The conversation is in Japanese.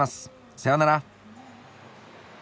さよなら。